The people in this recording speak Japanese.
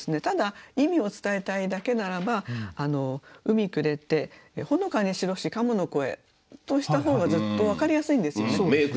ただ意味を伝えたいだけならば「海暮れてほのかに白し鴨の声」とした方がずっと分かりやすいんですよね。